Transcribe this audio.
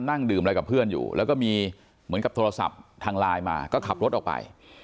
นั่งดื่มอะไรกับเพื่อนอยู่แล้วก็มีเหมือนกับโทรศัพท์ทางไลน์มาก็ขับรถออกไป